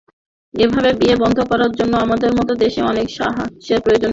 এভাবে বিয়ে বন্ধ করার জন্য আমাদের মতো দেশে অনেক সাহসের প্রয়োজন হয়।